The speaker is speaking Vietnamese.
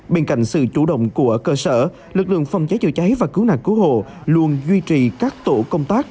bên cạnh sự chủ động của cơ sở lực lượng phòng cháy chữa cháy và cứu nạn cứu hộ luôn duy trì các tổ công tác